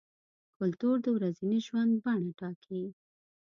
کلتور د ورځني ژوند بڼه ټاکي.